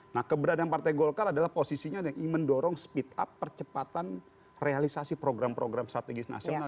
nah keberadaan partai golkar adalah posisinya yang mendorong speed up percepatan realisasi program program strategis nasional